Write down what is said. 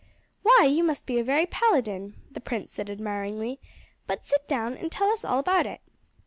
"Why, you must be a very Paladin," the prince said admiringly; "but sit down and tell us all about it.